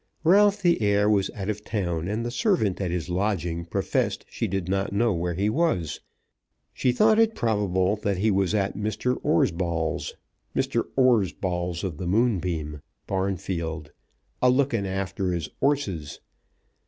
Ralph the heir was out of town, and the servant at his lodging professed she did not know where he was. She thought it probable that he was "at Mr. 'Orsball's, Mr. 'Orsball of the Moonbeam, Barnfield, a looking after his 'orses."